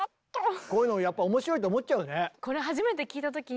こういうのやっぱおもしろいと思っちゃうね。